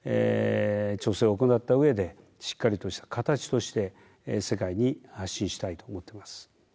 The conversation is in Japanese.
調整を行ったうえで、しっかりとした形として、世界に発信したいと思っています。